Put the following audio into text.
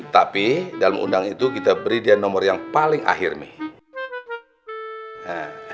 tapi dalam undang itu kita beri dia nomor yang paling akhir nih